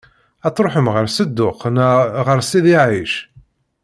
Ad tṛuḥem ɣer Sedduq neɣ ɣer Sidi Ɛic?